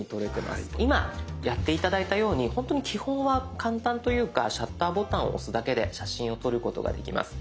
今やって頂いたように本当に基本は簡単というかシャッターボタンを押すだけで写真を撮ることができます。